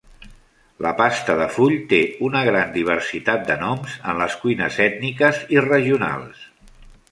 La pasta de full té una gran diversitat de noms en les cuines ètniques i regionals.